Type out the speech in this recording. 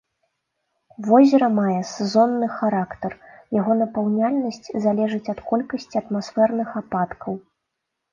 Возера мае сезонны характар, яго напаўняльнасць залежыць ад колькасці атмасферных ападкаў.